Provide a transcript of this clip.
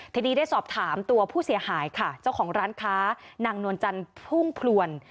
ทีนี้ได้สอบถามตัวผู้เสียหายค่ะเจ้าของร้านค้านางนวลจันทร์พุ่งพลวน